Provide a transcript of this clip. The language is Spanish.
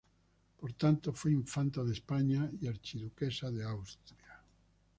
Por tanto fue infanta de España y archiduquesa de Austria.